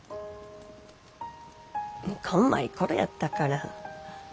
こんまい頃やったから。